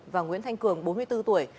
và nguyễn thanh cường bốn mươi bốn tuổi